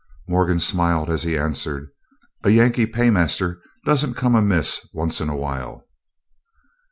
Morgan smiled as he answered: "A Yankee paymaster don't come amiss once in a while."